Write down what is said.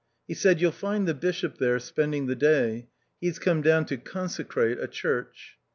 He said, " You'll find the bishop there spending the day ; he's come down to consecrate a THE OUTCAST. 71 church."